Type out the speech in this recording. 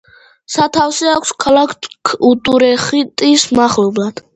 სათავე აქვს ქალაქ უტრეხტის მახლობლად.